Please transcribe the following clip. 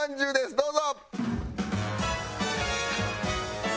どうぞ。